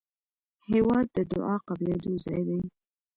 هېواد د دعا قبلېدو ځای دی.